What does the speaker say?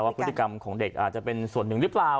พฤติกรรมของเด็กอาจจะเป็นส่วนหนึ่งหรือเปล่า